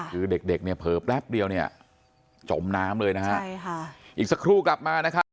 คือเด็กเด็กเนี่ยเผลอแป๊บเดียวเนี่ยจมน้ำเลยนะฮะใช่ค่ะอีกสักครู่กลับมานะครับ